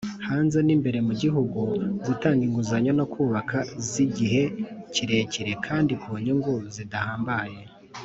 Hanze n imbere mu gihugu gutanga inguzanyo zo kubaka z igihe kirekire kandi ku nyungu zidahambaye